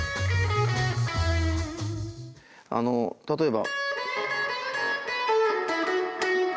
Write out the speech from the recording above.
あの例えば。